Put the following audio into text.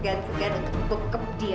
gak lupa untuk mengekep dia